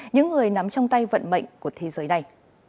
những người nắm trong tay vận mệnh của thế giới này